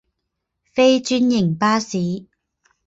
非专营巴士。